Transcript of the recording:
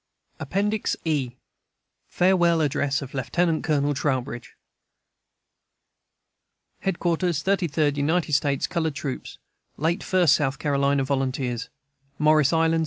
Appendix E Farewell Address of Lt. Col. Trowbridge HEADQUARTERS 33d UNITED STATES COLORED TROOPS, LATE 1ST SOUTH CAROLINA VOLUNTEERS, MORRIS ISLAND, S.